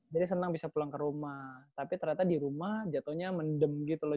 jadi seneng bisa pulang ke rumah tapi ternyata di rumah jatohnya mendem gitu loh